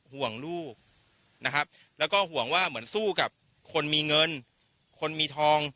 ห่วงลูกนะครับแล้วก็ห่วงว่าเหมือนสู้กับคนมีเงินคนมีทอง